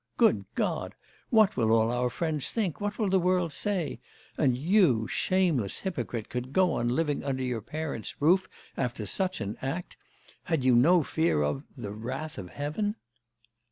Good God! what will all our friends think, what will the world say! And you, shameless hypocrite, could go on living under your parents' roof after such an act! Had you no fear of the wrath of heaven?